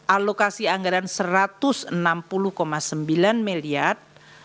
alokasi anggaran rp satu ratus enam puluh sembilan miliar